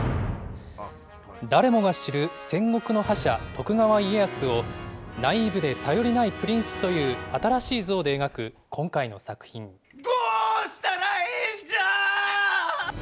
誰もが知る戦国の覇者、徳川家康を、ナイーブで頼りないプリンスという新しい像で描く今回のどうしたらええんじゃ。